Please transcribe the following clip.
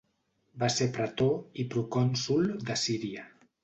Va ser pretor i procònsol de Síria.